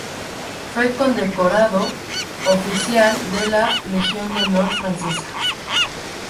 Fue condecorado oficial de la Legión de honor francesa.